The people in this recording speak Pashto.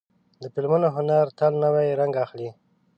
د فلمونو هنر تل نوی رنګ اخلي.